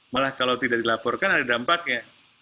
malah kalau tidak dilaporkan ada dampaknya